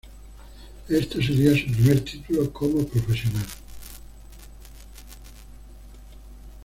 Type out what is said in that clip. Éste sería su primer título como profesional.